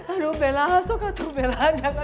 aduh bella sok atuh bella